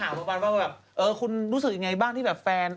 ว่าคุณรู้สึกอย่างไรที่แบบแฟน